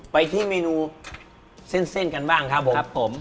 ไปที่เมนูเส้นกันบ้างครับผมครับผม